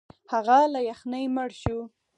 هغه له یخنۍ مړ شو.